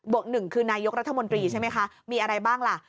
หนึ่งคือนายกรัฐมนตรีใช่ไหมคะมีอะไรบ้างล่ะ